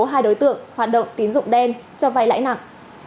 hai đối tượng hoạt động tín dụng đen cho vay lãi nặng